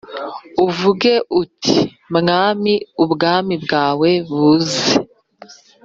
uvuge uti "mwami ubwami bwawe buze",